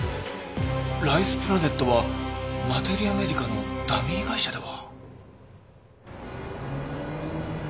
ライスプラネットはマテリアメディカのダミー会社では？